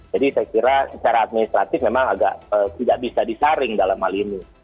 jadi saya kira secara administratif memang agak tidak bisa disaring dalam hal ini